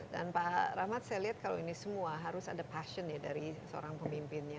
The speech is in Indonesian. dan pak rahmat saya lihat kalau ini semua harus ada passion dari seorang pemimpinnya